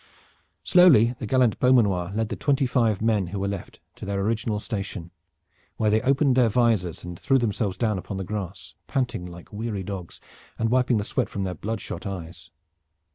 Slowly the gallant Beaumanoir led the twenty five men who were left to their original station, where they opened their visors and threw themselves down upon the grass, panting like weary dogs, and wiping the sweat from their bloodshot eyes.